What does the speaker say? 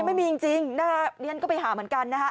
ไม่มีจริงเรียนก็ไปหาเหมือนกัน